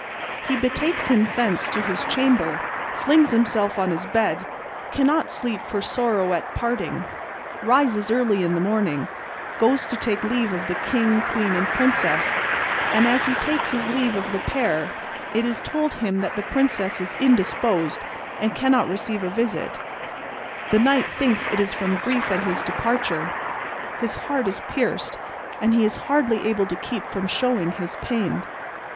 He betakes him thence to his chamber, flings himself on his bed, cannot sleep for sorrow at parting, rises early in the morning, goes to take leave of the king, queen, and princess, and, as he takes his leave of the pair, it is told him that the princess is indisposed and cannot receive a visit; the knight thinks it is from grief at his departure, his heart is pierced, and he is hardly able to keep from showing his pain.